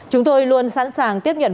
chúng tôi luôn sẵn sàng tiếp nhận